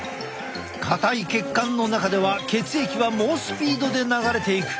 硬い血管の中では血液は猛スピードで流れていく。